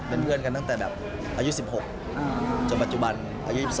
เป็นเพื่อนกันตั้งแต่แบบอายุ๑๖จนปัจจุบันอายุ๒๒